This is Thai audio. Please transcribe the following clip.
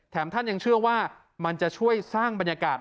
ท่านยังเชื่อว่ามันจะช่วยสร้างบรรยากาศ